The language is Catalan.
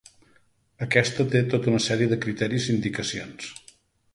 Aquesta té tota una sèrie de criteris i indicacions.